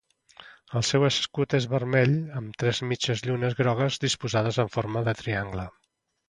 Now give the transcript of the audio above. El seu escut és vermell amb tres mitges llunes grogues, disposades en forma de triangle.